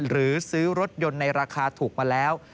หรือซื้อรถยนต์ในราคาถูกมาแล้ว